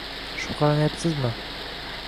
Shubhalanyapsizmi